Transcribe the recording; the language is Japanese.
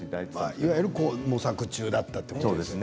いわゆる模索中だったということですね。